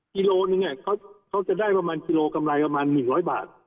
กิโลนึงเนี่ยเขาจะได้ประมาณกิโลกำไรประมาณหนึ่งร้อยบาท